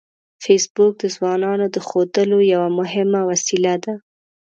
فېسبوک د ځوانانو د ښودلو یوه مهمه وسیله ده